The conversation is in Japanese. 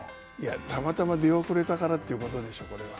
たまたま出遅れたからということでしょ、これは。